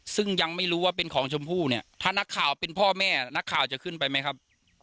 ซึ่งยังไม่รู้ว่าเป็นของชมพู่เนี่ยถ้านักข่าวเป็นพ่อแม่นักข่าวจะขึ้นไปไหมครับ